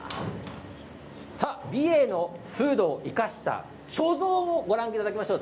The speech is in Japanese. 美瑛の風土を生かした貯蔵もご覧いただきました。